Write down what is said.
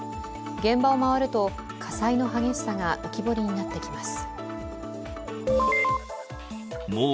現場を回ると、火災の激しさが浮き彫りになってきます。